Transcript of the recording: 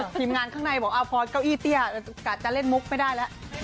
ทีมงานข้างในบอกพอเก้าอี้เตี้ยกะจะเล่นมุกไม่ได้แล้ว